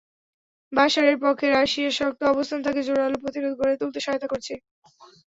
বাশারের পক্ষে রাশিয়ার শক্ত অবস্থান তাঁকে জোরালো প্রতিরোধ গড়ে তুলতে সহায়তা করেছে।